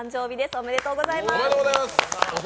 おめでとうございます。